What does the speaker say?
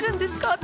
私